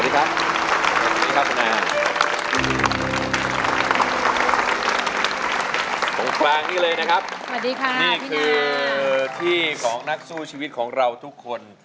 ตรงฟลางนี่เลยนะครับนี่คือที่ของนักสู้ชีวิตของเราทุกคน